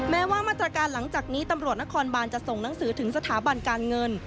แม้ว่ามาตรการหลังจากนี้ตำรวจนครบานจะส่งหนังสือถึงสถาบันการเงิน